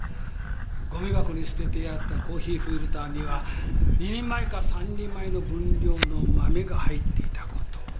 ごみ箱に捨ててあったコーヒーフィルターには２人前か３人前の分量の豆が入っていたこと。